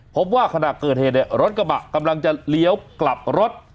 พบว่าขณะเกิดเหตุเนี่ยรถกระบะกำลังจะเลี้ยวกลับรถ